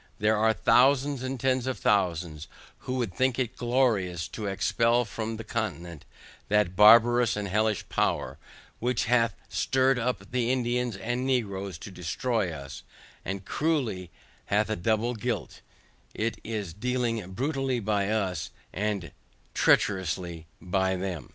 There are thousands, and tens of thousands, who would think it glorious to expel from the continent, that barbarous and hellish power, which hath stirred up the Indians and Negroes to destroy us, the cruelty hath a double guilt, it is dealing brutally by us, and treacherously by them.